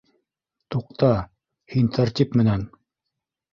— Туҡта, һин тәртип менән.